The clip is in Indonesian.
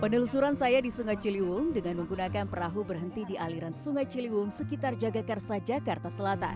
penelusuran saya di sungai ciliwung dengan menggunakan perahu berhenti di aliran sungai ciliwung sekitar jagakarsa jakarta selatan